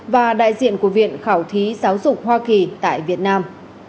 và đại diện của viện khảo thí giáo dục hoa kỳ tại việt nam